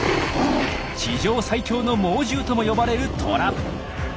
「地上最強の猛獣」とも呼ばれるトラ。